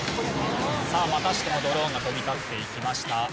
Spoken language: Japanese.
さあまたしてもドローンが飛び立っていきました。